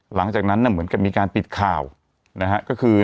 หลังจากนั้นเหมือนกับมีการปิดข่าวนะฮะก็คือ